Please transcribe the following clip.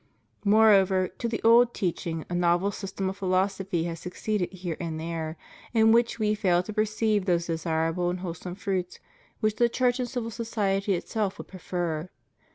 Moreover, to the old teaching a novel system of philosophy has succeeded here and there, in which We fail to perceive those desirable and wholesome fruits which the Church and civil society itself would prefer.